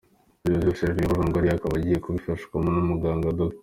Ibi byose rero, Eva Longolia akaba agiye kubifashwamo n’umuganga, Dr.